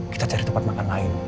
kita cari tempat makan lain